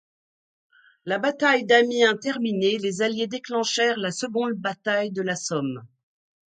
La bataille d'Amiens terminée, les Alliés déclenchèrent la seconde bataille de la Somme.